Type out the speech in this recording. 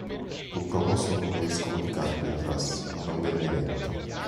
Fu proposto come vescovo di Carpentras ma non venne eletto.